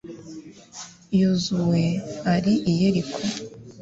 yozuwe ari i yeriko